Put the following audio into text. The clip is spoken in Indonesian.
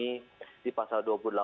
sama seperti misalnya gampang memahami